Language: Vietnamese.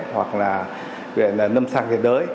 hoặc là viện nâm sang thế đới